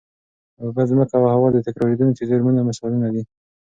اوبه، ځمکه او هوا د تکرارېدونکو زېرمونو مثالونه دي.